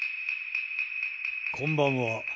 こんばんは。